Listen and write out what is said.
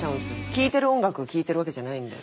聴いてる音楽聞いてるわけじゃないんで。